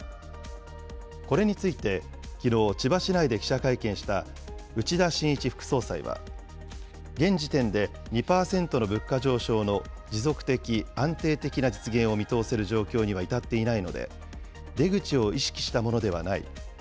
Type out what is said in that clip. これについて、きのう、千葉市内で記者会見した内田眞一副総裁は、現時点で２％の物価上昇の持続的、安定的な実現を見通せる状況には至っていないので、出口を意識したものではない。